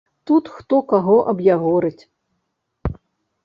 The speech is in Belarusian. Тут хто каго аб'ягорыць.